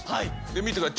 見て下さい。